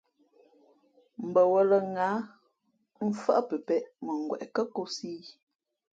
Mbαwα̌lᾱ ŋǎh, mfάʼ pepēʼ mα ngweʼ kάkōsī ī.